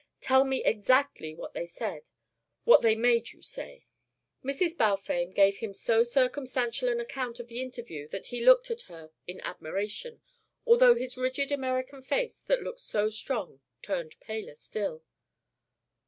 Tell me exactly what they said, what they made you say." Mrs. Balfame gave him so circumstantial an account of the interview that he looked at her in admiration, although his rigid American face, that looked so strong, turned paler still.